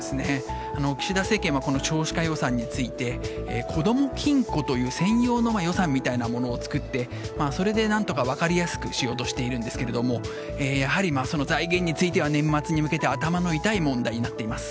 岸田政権は少子化予算についてこども金庫という専用の予算みたいなものを作って何とか分かりやすくしようとしているんですがその財源については年末に向けて頭の痛い問題になっています。